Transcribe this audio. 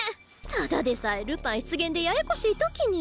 ただでさえルパン出現でややこしい時に。